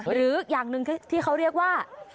หรืออย่างหนึ่งที่เขาเรียกว่า